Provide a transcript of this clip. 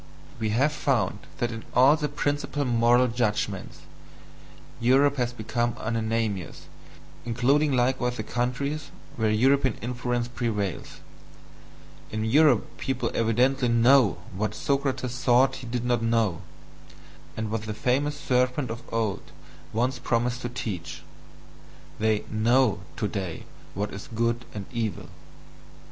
We have found that in all the principal moral judgments, Europe has become unanimous, including likewise the countries where European influence prevails in Europe people evidently KNOW what Socrates thought he did not know, and what the famous serpent of old once promised to teach they "know" today what is good and evil.